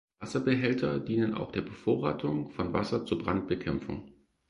Wasserbehälter dienen auch der Bevorratung von Wasser zur Brandbekämpfung.